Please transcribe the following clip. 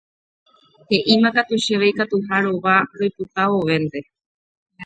He'ímakatu chéve ikatuha rova roipota vovénte.